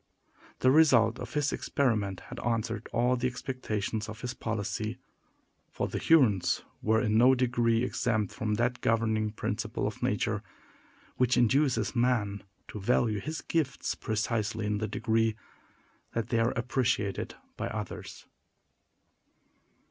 The result of his experiment had answered all the expectations of his policy; for the Hurons were in no degree exempt from that governing principle of nature, which induces man to value his gifts precisely in the degree that they are appreciated by others.